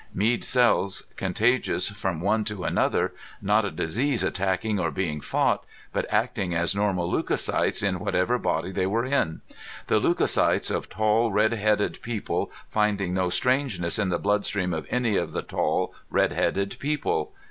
Mead cells contagious from one to another, not a disease attacking or being fought, but acting as normal leucocytes in whatever body they were in! The leucocytes of tall, red headed people, finding no strangeness in the bloodstream of any of the tall, red headed people.